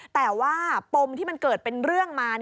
แต่ว่าปมที่มันเกิดเป็นเรื่องมา